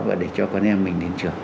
và để cho con em mình đến trường